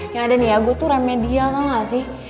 yang ada nih ya gue tuh remedial tau gak sih